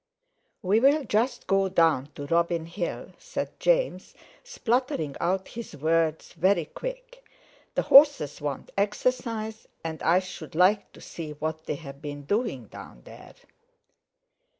"We'll just go down to Robin Hill," said James, spluttering out his words very quick; "the horses want exercise, and I should like to see what they've been doing down there."